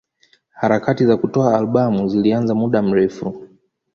Harakati za kutoa albamu zilianza muda mrefu.